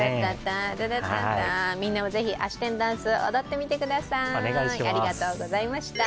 みんなもぜひ、あし天ダンス踊ってみてください。